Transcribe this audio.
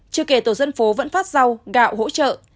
chưa kể tổ dân phố vẫn phát rau gạo hỗ trợ